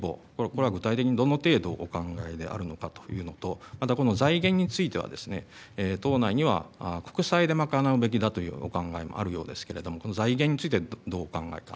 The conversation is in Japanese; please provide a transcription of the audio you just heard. これは具体的にどの程度お考えであるのかということとまた財源については党内には国際で賄うべきだというお考えもあるようですけれども財源についてどうお考えか。